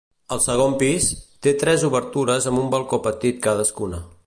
El segon pis, té tres obertures amb un balcó petit cadascuna.